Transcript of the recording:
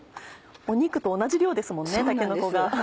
肉と同じ量ですもんねたけのこが。